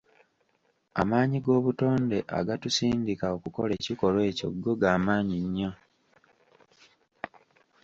Amaanyi gobutonde agatusindika okukola ekikolwa ekyo go gamaanyi nnyo.